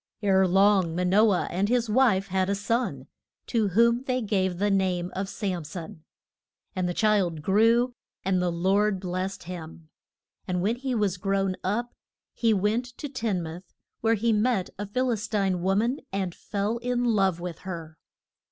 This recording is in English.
Ere long Ma no ah and his wife had a son, to whom they gave the name of Sam son. And the child grew, and the Lord blest him. And when he was grown up he went to Tin muth, where he met a Phil is tine wo man and fell in love with her.